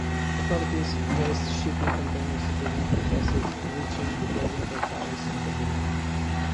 Authorities placed shipping containers to prevent protestors reaching the presidential palace in Kabul.